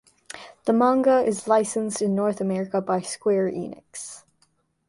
The manga is licensed in North America by Square Enix.